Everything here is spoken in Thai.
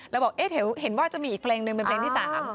แล้วบอกเอ๊ะเห็นว่าจะมีอีกเพลงหนึ่งเป็นเพลงที่๓